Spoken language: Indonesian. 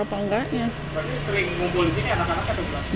jadi sering kumpul di sini anak anaknya